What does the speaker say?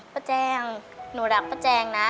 แจงหนูรักป้าแจงนะ